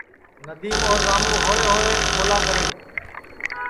ندیم اور راموں ہوݪے ہوݪے ٻولا کرے